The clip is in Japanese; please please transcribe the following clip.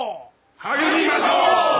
励みましょう！